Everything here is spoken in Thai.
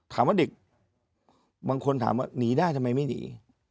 ถามว่าเด็กบางคนถามว่าหนีได้ทำไมไม่หนี